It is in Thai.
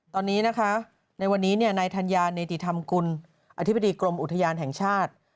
ตอนนี้นะคะในวันนี้นายธัญญาเนติธรรมกุลอธิบดีกรมอุทยานแห่งชาติ